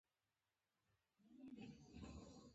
هغه له دې ځمکې څخه غنم ترلاسه کوي